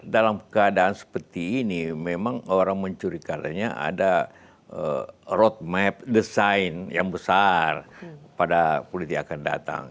dalam keadaan seperti ini memang orang mencurigakan ada road map design yang besar pada politik yang akan datang